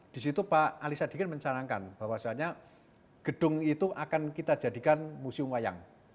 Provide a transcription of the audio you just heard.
di situ pak alisa dikin mencarangkan bahwasanya gedung itu akan kita jadikan museum wayang